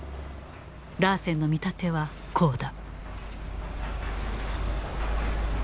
ラーセンの見立てはこうだ。